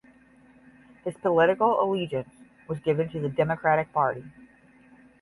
His political allegiance was given to the Democratic party.